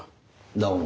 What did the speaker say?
どうも。